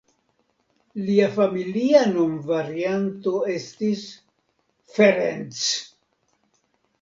Lia familia nomvarianto estis "Ferenc".